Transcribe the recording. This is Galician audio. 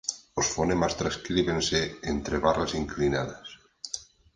Os fonemas transcríbense entre barras inclinadas.